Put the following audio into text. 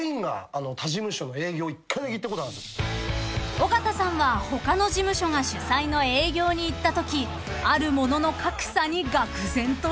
［尾形さんは他の事務所が主催の営業に行ったときあるものの格差にがく然としたそうで］